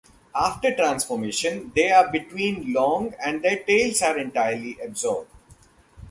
After transformation, they are between long, and their tails are entirely absorbed.